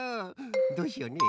どうしようねえ。